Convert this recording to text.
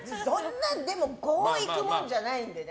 こういくものじゃないのでね。